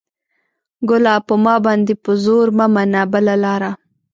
ګله ! په ما باندې په زور مه منه بله لاره